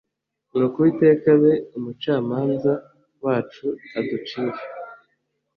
Nuko Uwiteka abe umucamanza wacu aducire